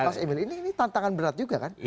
mas emil ini tantangan berat juga kan